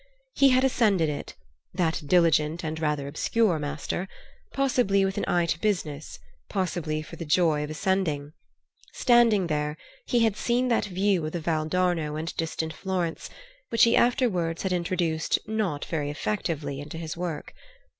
He had ascended it, that diligent and rather obscure master, possibly with an eye to business, possibly for the joy of ascending. Standing there, he had seen that view of the Val d'Arno and distant Florence, which he afterwards had introduced not very effectively into his work.